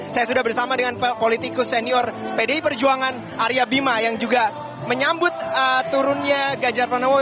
saya sudah bersama dengan politikus senior pdi perjuangan arya bima yang juga menyambut turunnya ganjar pranowo